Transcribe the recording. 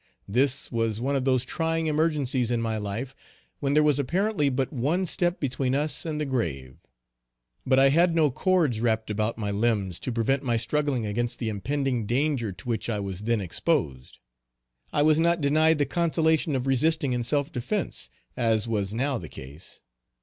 This was one of those trying emergencies in my life when there was apparently but one step between us and the grave. But I had no cords wrapped about my limbs to prevent my struggling against the impending danger to which I was then exposed. I was not denied the consolation of resisting in self defence, as was now the case.